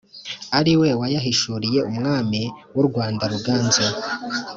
Ari we wayahishuriye umwami w’u Rwanda Ruganzu